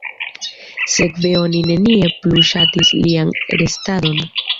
Sekve oni nenie plu ŝatis lian restadon.